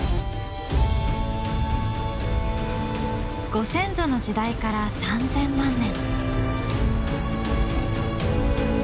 ご先祖の時代から３，０００万年。